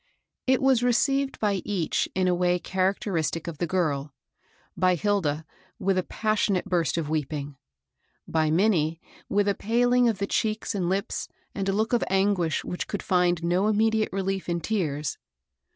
It was received by each in a way characteristic of the girl, — by Hilda, with a. passionate burst ofi weeping ; by Minnie, with a paling of the cheeks and lips and a look of anguish which could find no immediate relief in tears.